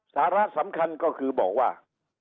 สาระสำคัญก็คือบอกว่า